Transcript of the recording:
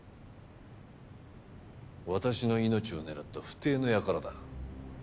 私の命を狙った不逞の輩だ。